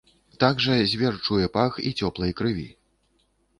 Так жа звер чуе пах і цёплай крыві.